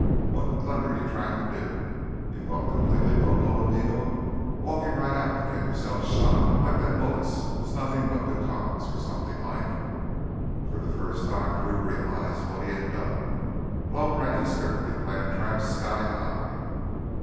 "What in thunder you tryin' to do? You gone completely loco, amigo? Walkin' right out to git yourself shot like them bullets was nothin' but pecans or somethin' like!" For the first time Drew realized what he had done—blown Rennie's carefully planned trap sky high.